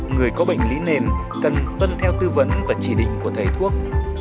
người có bệnh lý nền cần tuân theo tư vấn và chỉ định của thầy thuốc